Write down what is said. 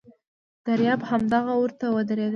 دریاب همدغه وره ته ودرېد.